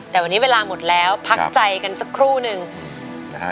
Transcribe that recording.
แต่วันนี้เวลาหมดแล้วพักใจกันสักครู่นึงนะฮะ